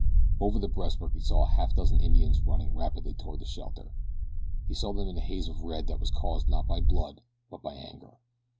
Over the breastwork he saw a half dozen Indians running rapidly toward the shelter he saw them in a haze of red that was caused not by blood but by anger.